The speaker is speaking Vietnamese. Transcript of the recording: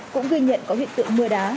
cũng ghi nhận có huyện tượng mưa đá